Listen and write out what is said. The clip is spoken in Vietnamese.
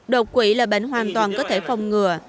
độc quỷ là bệnh hoàn toàn có thể phòng ngừa